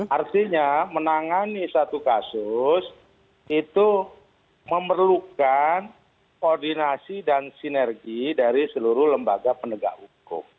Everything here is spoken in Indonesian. artinya menangani satu kasus itu memerlukan koordinasi dan sinergi dari seluruh lembaga penegak hukum